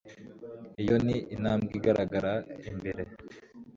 Iyo ni intambwe igaragara imbere